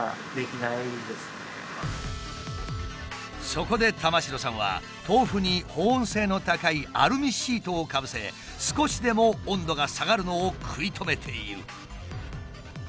そこで玉城さんは豆腐に保温性の高いアルミシートをかぶせ少しでも温度が下がるのを食い止めている。